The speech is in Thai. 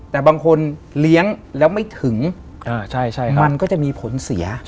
แต่บางคนเลี้ยงแล้วไม่ถึงมันก็จะมีผลเสีย